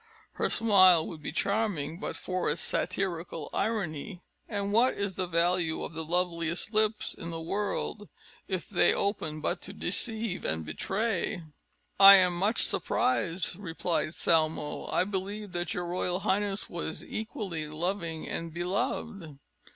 Her smile would be charming, but for its satirical irony. And what is the value of the loveliest lips in the world, if they open but to deceive and betray!" "I am much surprised," replied Salmoé; "I believed that your royal highness was equally loving and beloved."